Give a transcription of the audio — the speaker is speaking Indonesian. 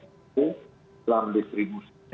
itu dalam distribusinya itu